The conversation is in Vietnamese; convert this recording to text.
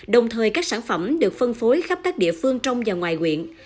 đồng thời các sản phẩm được phân phối khắp các địa phương trong và ngoài quyện